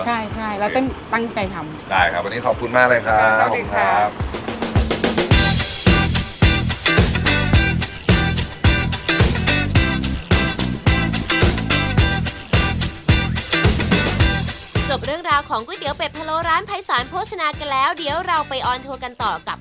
ใช่ใช่แล้วเป็นตั้งใจทำได้ครับวันนี้ขอบคุณมากเลยครับขอบคุณครับ